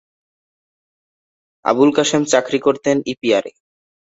আবুল কাশেম চাকরি করতেন ইপিআরে।